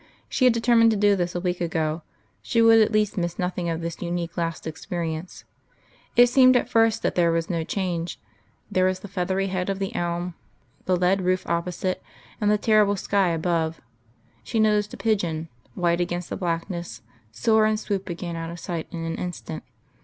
She had determined to do this a week ago: she would at least miss nothing of this unique last experience. It seemed at first that there was no change. There was the feathery head of the elm, the lead roof opposite, and the terrible sky above. She noticed a pigeon, white against the blackness, soar and swoop again out of sight in an instant....